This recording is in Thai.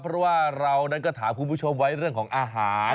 เพราะว่าเรานั้นก็ถามคุณผู้ชมไว้เรื่องของอาหาร